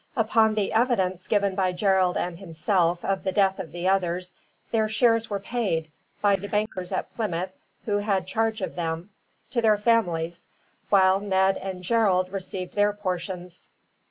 Upon the evidence given by Gerald and himself of the death of the others, their shares were paid, by the bankers at Plymouth who had charge of them, to their families; while Ned and Gerald received their portions.